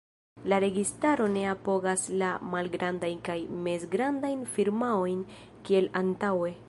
La registaro ne apogas la malgrandajn kaj mezgrandajn firmaojn kiel antaŭe.